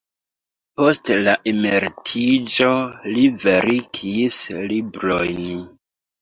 Post la emeritiĝo li verkis librojn.